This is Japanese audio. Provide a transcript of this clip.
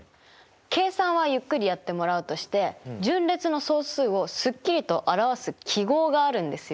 計算はゆっくりやってもらうとして順列の総数をすっきりと表す記号があるんですよ。